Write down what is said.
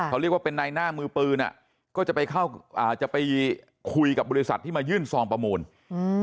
เขาเรียกว่าเป็นในหน้ามือปืนอ่ะก็จะไปเข้าอ่าจะไปคุยกับบริษัทที่มายื่นซองประมูลอืม